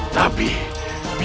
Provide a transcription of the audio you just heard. tapi aku akan mengampuni